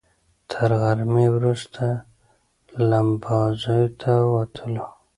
تر غرمې وروسته لمباځیو ته ووتلو.